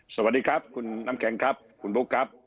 สวัสดีครับคุณน้ำแข็งครับคุณบุ๊คครับ